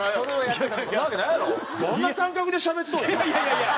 どんな感覚でしゃべっとんや。